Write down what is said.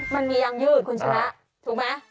มันมียางยืดคุณชนะถูกไหม